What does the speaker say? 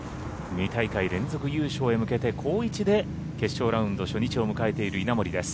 ２大会連続優勝へ向けて好位置で決勝ラウンド初日を迎えている稲森です。